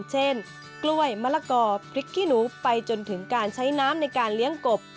เช่นกล้วยมะละกอพริกขี้หนูไปจนถึงการใช้น้ำในการเลี้ยงกบ